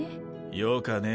よかねぇ。